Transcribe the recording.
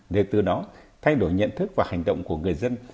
để từ đó thay đổi nhận thức và hành động của người dân